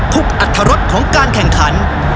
ทุกอรรถรสของการแข่งขัน